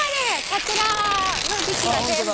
桜の時期は全部。